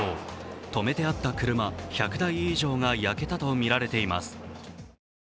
止めてあった車１００台以上が焼けたとみられています。